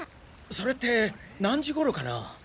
それって何時ごろかな？